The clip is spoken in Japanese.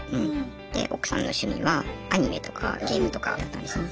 で奥さんの趣味はアニメとかゲームとかだったんですね。